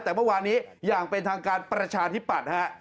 แต่เมื่อวานนี้อย่างเป็นทางการประชาธิปัตย์ฮะ